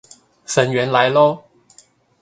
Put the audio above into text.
粉圓來囉